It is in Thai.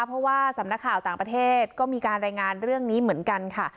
เพราะว่าสำนักข่าวต่างประเทศก็มีการรายงานเรื่องนี้เหมือนกันค่ะ